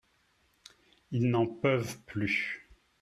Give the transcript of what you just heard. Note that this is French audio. Ils n’en peuvent plus.